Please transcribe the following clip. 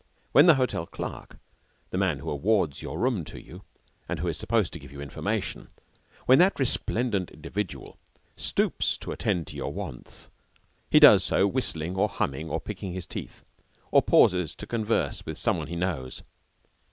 When the hotel clerk the man who awards your room to you and who is supposed to give you information when that resplendent individual stoops to attend to your wants he does so whistling or humming or picking his teeth, or pauses to converse with some one he knows.